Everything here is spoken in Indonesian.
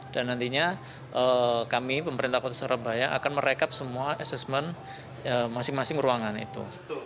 dan nantinya kami pemerintah kota surabaya akan merekap semua asesmen masing masing ruangan itu